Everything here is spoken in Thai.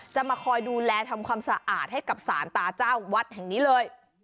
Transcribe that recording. จะมาคอยดูแลทำความสะอาดให้กับสารตาเจ้าวัดแห่งนี้เลย